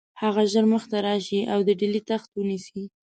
هغه ژر مخته راشي او د ډهلي تخت ونیسي.